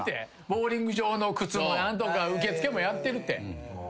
ボウリング場の靴も受付もやってるって。